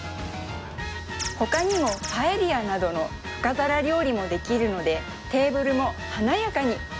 ほかにもパエリアなどの深皿料理もできるのでテーブルも華やかに！